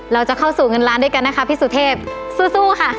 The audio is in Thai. เราจะเข้าสู่เงินล้านด้วยกันนะคะพี่สุเทพสู้ค่ะ